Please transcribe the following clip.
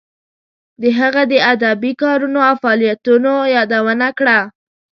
د هغه د ادبی کارونو او فعالیتونو یادونه کړه.